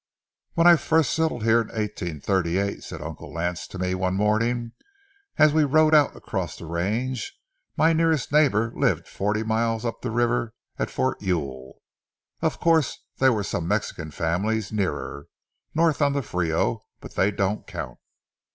"When I first settled here in 1838," said Uncle Lance to me one morning, as we rode out across the range, "my nearest neighbor lived forty miles up the river at Fort Ewell. Of course there were some Mexican families nearer, north on the Frio, but they don't count.